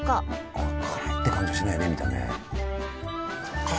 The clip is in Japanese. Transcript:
あっ辛いって感じはしないね見た目。